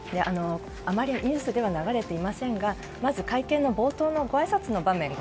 あまりニュースでは流れていませんがまず会見の冒頭のごあいさつの場面